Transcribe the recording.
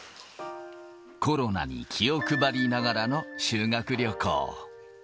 コロナに気を配りながらの修学旅行。